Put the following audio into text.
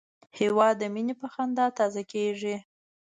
هېواد د مینې په خندا تازه کېږي.